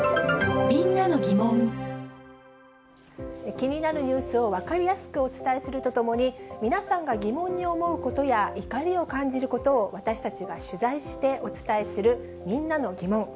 気になるニュースを分かりやすくお伝えするとともに、皆さんが疑問に思うことや怒りを感じることを私たちが取材してお伝えする、みんなのギモン。